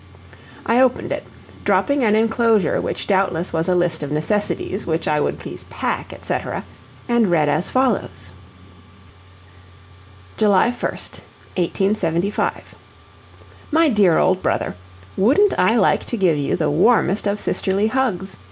I opened it, dropping an enclosure which doubtless was a list of necessities which I would please pack, etc., and read as follows: "JULY 1, 1875. "MY DEAR OLD BROTHER: WOULDN'T I like to give you the warmest of sisterly hugs?